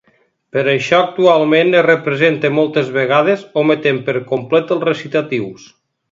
Per això actualment es representa moltes vegades ometent per complet els recitatius.